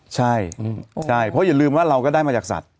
ใช่ใช่เพราะอย่าลืมว่าเราก็ได้มาจากสัตว